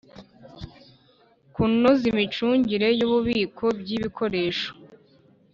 Kunoza imicungire y ububiko bw ibikoresho